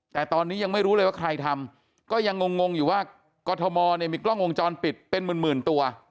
แต่ตอนนี้ยังไม่รู้เลยว่าใครทำก็ยังงงอยู่ว่ากรทมเนี่ยมีกล้องวงจรปิดเป็นหมื่นตัว